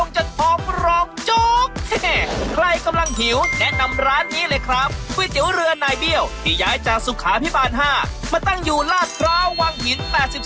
เจ้านายเบี้ยวที่ย้ายจากสุขาพิบาลห้ามาตั้งอยู่ราชกราววังหิน๘๓